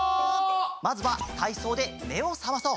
まずはたいそうでめをさまそう。